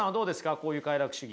こういう快楽主義。